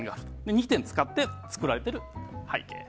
２点使って作られている背景。